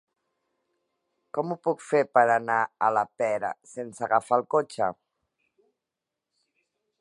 Com ho puc fer per anar a la Pera sense agafar el cotxe?